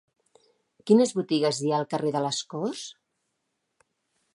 Quines botigues hi ha al carrer de les Corts?